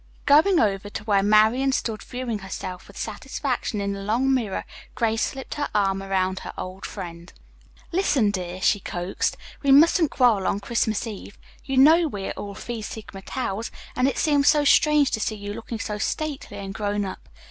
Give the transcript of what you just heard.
Going over to where Marian stood viewing herself with satisfaction in the long mirror, Grace slipped her arm around her old friend. "Listen, dear," she coaxed, "we mustn't quarrel on Christmas Eve. You know we are all Phi Sigma Taus and it seems so strange to see you looking so stately and grown up.